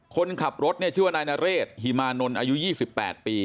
คนขับรถเนี่ยชื่อว่านายนเรศฮิมานนลอายุยี่สิบแปดปี